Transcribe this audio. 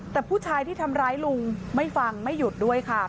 แต่ผู้ชายที่ทำร้ายลุงไม่ฟังไม่หยุดด้วยค่ะ